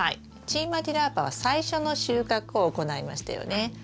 チーマ・ディ・ラーパは最初の収穫を行いましたよね。